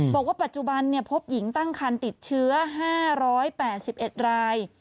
บอกว่าปัจจุบันพบหญิงตั้งคันติดเชื้อ๕๘๑ราย